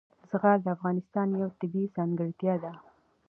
زغال د افغانستان یوه طبیعي ځانګړتیا ده.